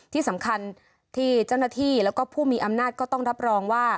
ที่สำคัญที่เจ้าหน้าที่แล้วก็ผู้มีอำนาจก็ต้องรับรองว่า